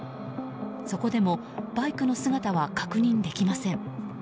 そこでも、バイクの姿は確認できません。